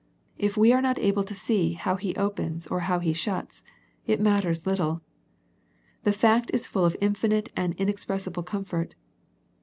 If we are not able to see how He opens or how He shuts, it matters lit tle. The fact is full of infinite and inexpressi ble comfort.